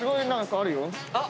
あっ！